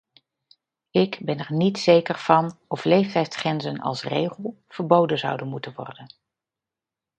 Ik ben er niet zeker van of leeftijdsgrenzen als regel verboden zouden moeten worden.